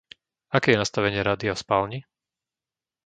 Aké je nastavenie rádia v spálni?